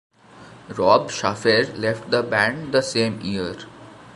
Rob Shaffer left the band the same year.